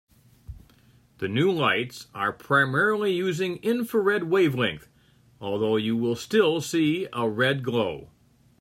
The new lights are primarily using infrared wavelength, although you will still see a red glow.